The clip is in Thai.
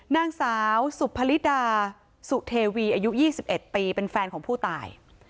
นางสาวสุภลิดาสุเทวีอายุ๒๑ปีเป็นแฟนของผู้ตาย